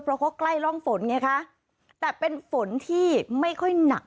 เพราะเขาใกล้ร่องฝนไงคะแต่เป็นฝนที่ไม่ค่อยหนัก